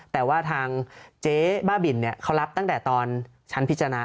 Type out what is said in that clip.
แต่ว่าทางเจ๊บ้าบินเขารับตั้งแต่ตอนชั้นพิจารณา